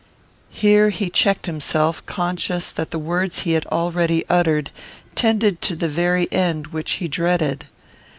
Here he checked himself, conscious that the words he had already uttered tended to the very end which he dreaded.